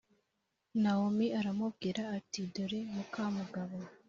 Nawomi aramubwira ati dore muka mugabo